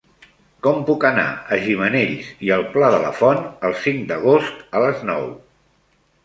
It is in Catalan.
Com puc anar a Gimenells i el Pla de la Font el cinc d'agost a les nou?